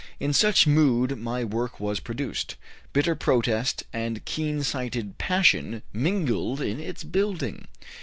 In such mood my work was produced; bitter protest and keen sighted passion mingled in its building.